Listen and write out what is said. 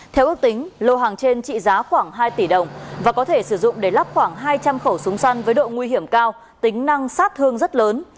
theo ước tính lô hàng trên trị giá khoảng hai tỷ đồng và có thể sử dụng để lắp khoảng hai trăm linh khẩu súng săn với độ nguy hiểm cao tính năng sát thương rất lớn